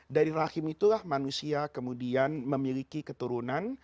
dari rahim itulah manusia kemudian memiliki keturunan